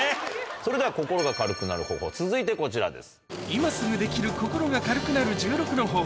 それでは心が軽くなる方法続いてこちらです。